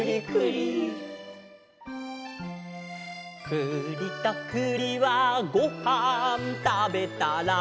「くりとくりはごはんたべたら」